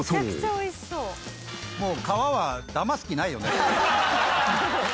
もう皮はだます気ないよね。